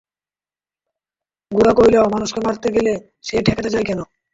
গোরা কহিল, মানুষকে মারতে গেলে সে ঠেকাতে যায় কেন?